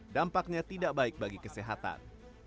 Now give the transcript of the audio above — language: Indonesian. dampaknya tidak baik bagi kesehatan